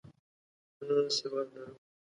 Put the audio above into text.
زه سواد لرم.